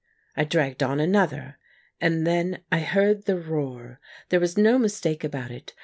I dragged on another, and then I heard the roar ; thei'e was no mistake about it.